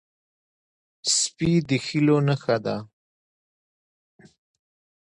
سپي د هیلو نښه ده.